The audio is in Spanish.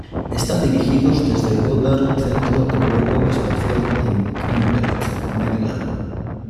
Están dirigidos desde el Goddard Centro de Vuelo Espacial en Greenbelt, Maryland.